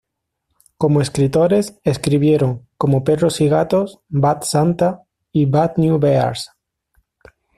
Como escritores, escribieron "Como perros y gatos, Bad Santa" y "Bad New Bears".